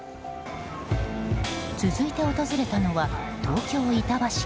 続いて訪れたのは東京・板橋区。